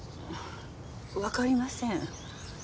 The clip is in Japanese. わかりません。